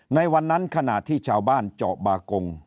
ในวันนั้นขณะที่ชาวบ้านเจาะบากง